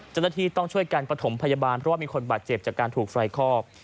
เจ้าหน้าที่ต้องช่วยกันประถมพยาบาลเพราะว่ามีคนบาดเจ็บจากการถูกไฟคอก